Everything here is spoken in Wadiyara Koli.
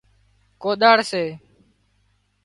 ڪوۮاۯ سي